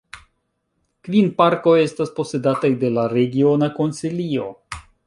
Kvin parkoj estas posedataj de la regiona konsilio.